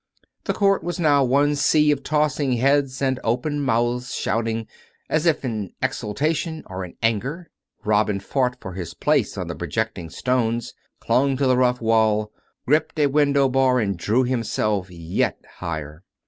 The court was now one sea of tossing heads and open mouths shouting — as if in exultation or in anger. Robin fought for his place on the projecting stones, clung to the rough wall, gripped a window bar and drew himself yet higher.